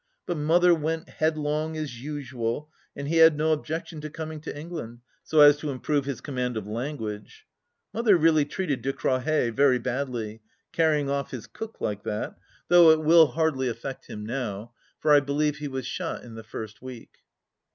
But Mother went headlong as usual and he had no objection to coming to England, so as to improve his command of language. Mother really treated De Crawhez very badly, carrying off his cook like that, though it will 12 THE LAST DITCH hardly affect him now, for I believe he was shot in the first week.